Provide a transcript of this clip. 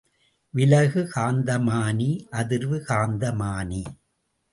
விலகு காந்தமானி, அதிர்வு காந்தமானி.